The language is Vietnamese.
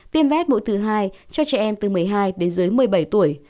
tiêm vét mũi thứ hai cho trẻ em từ một mươi hai đến dưới một mươi bảy tuổi